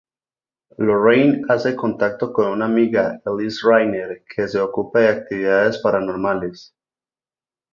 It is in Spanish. Lorraine hace contacto con una amiga, Elise Reiner, que se ocupa de actividades paranormales.